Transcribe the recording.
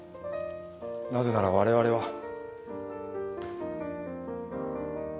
なぜなら我々は。